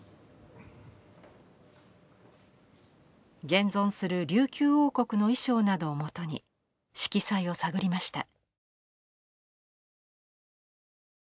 現存する琉球王国の衣装などをもとに色彩を探りました。